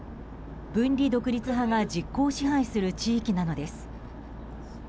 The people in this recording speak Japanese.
分離独立派が実効支配する地域なのです。